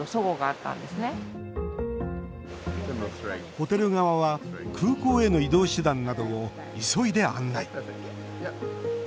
ホテル側は空港への移動手段などを急いで案内。